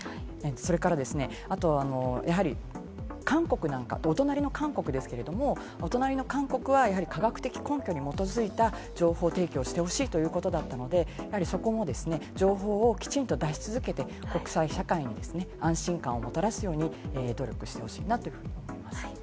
それからお隣の韓国ですけれども、科学的根拠に基づいた情報を提供してほしいということだったので、そこも情報をきちんと出し続けて、国際社会に安心感をもたらすように努力してほしいなというふうに思います。